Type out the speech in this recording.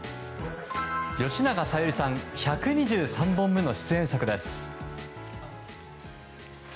吉永小百合さん１２３本目の出演作です。